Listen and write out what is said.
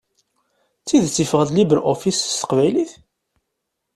D tidet yeffeɣ-d LibreOffice s teqbaylit?